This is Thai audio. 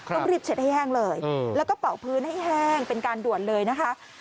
ต้องรีบเช็ดให้แห้งเลยแล้วก็เป่าพื้นให้แห้งเป็นการด่วนเลยนะคะ